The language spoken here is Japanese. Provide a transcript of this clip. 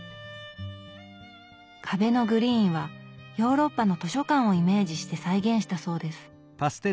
壁のグリーンはヨーロッパの図書館をイメージして再現したそうです。